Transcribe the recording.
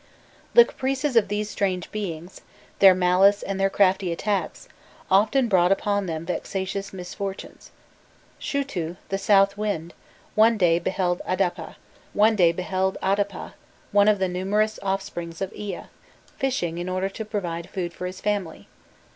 The caprices of these strange beings, their malice, and their crafty attacks, often brought upon them vexatious misfortunes. Shutu, the south wind, one day beheld Adapa, one of the numerous offspring of Ea, fishing in order to provide food for his family.